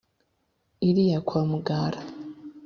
iriya kwa mugara